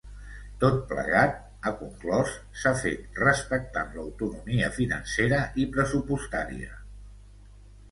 Tot plegat, ha conclòs, s’ha fet, respectant l’autonomia financera i pressupostària.